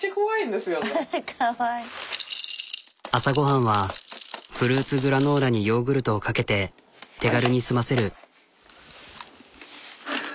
朝ご飯はフルーツグラノーラにヨーグルトをかけて手軽に済ませる。